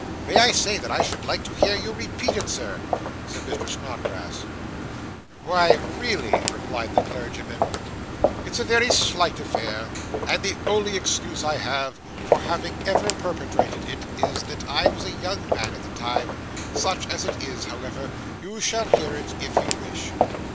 'May I say that I should like to hear you repeat it, sir?' said Mr. Snodgrass. 'Why, really,' replied the clergyman, 'it's a very slight affair; and the only excuse I have for having ever perpetrated it is, that I was a young man at the time. Such as it is, however, you shall hear it, if you wish.